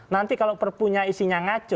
nanti kalau perpunya isinya ngaco